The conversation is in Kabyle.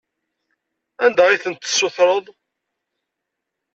Anda ay ten-tessutreḍ?